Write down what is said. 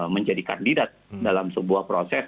menjadi kandidat dalam sebuah proses